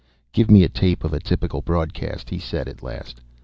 "Give me a tape of a typical broadcast," he said at last.